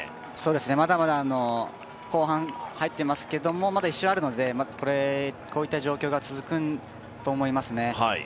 まだまだ後半、入っていますけどまだ１周あるのでこういった状況が続くと思いますね。